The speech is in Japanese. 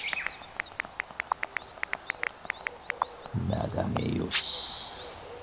眺めよし。